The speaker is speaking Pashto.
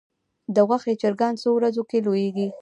د غوښې چرګان څو ورځو کې لویږي؟